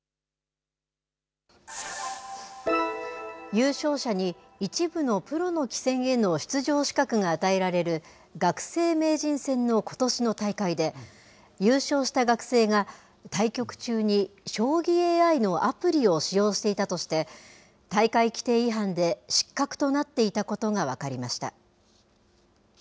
優勝者に一部のプロの棋戦への出場資格が与えられる、学生名人戦のことしの大会で、優勝した学生が、対局中に将棋ＡＩのアプリを使用していたとして、大会規定違反で失格となっていたことが分かりました。